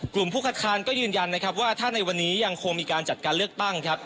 ผู้คัดค้านก็ยืนยันนะครับว่าถ้าในวันนี้ยังคงมีการจัดการเลือกตั้งครับ